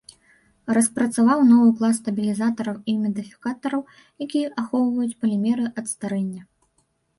Распрацаваў новы клас стабілізатараў і мадыфікатараў, якія ахоўваюць палімеры ад старэння.